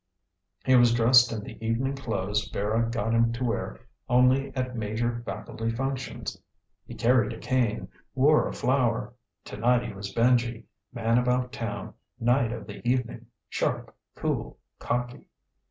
He was dressed in the evening clothes Vera got him to wear only at major faculty functions. He carried a cane, wore a flower. Tonight he was Benji, man about town, knight of the evening. Sharp. Cool. Cocky.